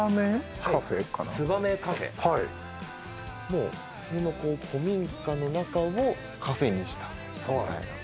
もう普通の古民家の中をカフェにした。